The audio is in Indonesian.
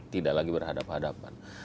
tidak lagi berhadapan hadapan